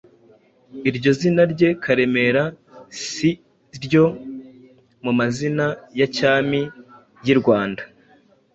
Iryo zina rye Karemera, si iryo mu mazina ya cyami y'i Rwanda;